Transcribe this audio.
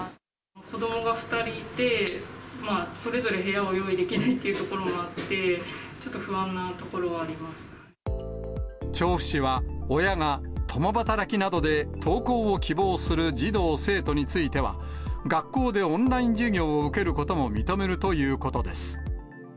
子どもが２人いて、それぞれ部屋を用意できないっていうところもあって、調布市は、親が共働きなどで登校を希望する児童・生徒については、学校でオンライン授業を受けることも認めるということです。